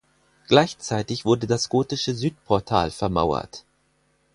Gleichzeitig wurde das gotische Südportal vermauert.